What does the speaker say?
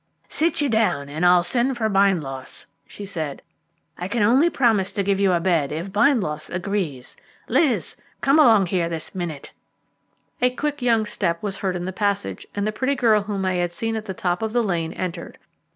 "Sit you down, and I'll send for Bindloss," she said. "I can only promise to give you a bed if Bindloss agrees. Liz, come along here this minute." A quick young step was heard in the passage, and the pretty girl whom I had seen at the top of the lane entered.